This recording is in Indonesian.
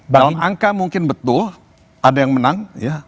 dalam angka mungkin betul ada yang menang